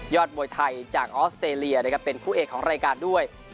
มวยไทยจากออสเตรเลียนะครับเป็นคู่เอกของรายการด้วย